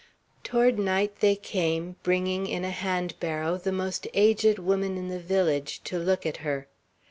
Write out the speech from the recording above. Toward night they came, bringing in a hand barrow the most aged woman in the village to look at her.